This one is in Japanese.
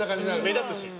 目立つし。